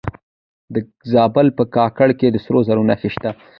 د زابل په کاکړ کې د سرو زرو نښې شته.